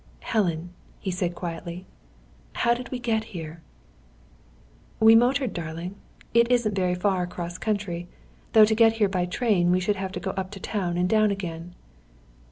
"Helen," he said, quietly, "how did we get here?" "We motored, darling. It isn't very far across country, though to get here by train we should have to go up to town and down again."